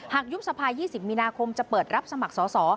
ยุบสภา๒๐มีนาคมจะเปิดรับสมัครสอสอ